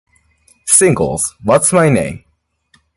Singles What's My Name?